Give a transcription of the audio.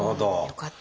よかった。